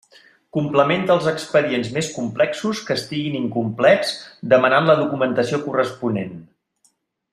Complementa els expedients més complexos que estiguin incomplets demanant la documentació corresponent.